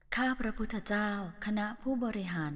ข้าพระพุทธเจ้าคณะผู้บริหาร